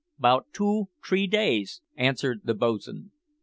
"'Bout two, t'ree days," answered the bo's'n.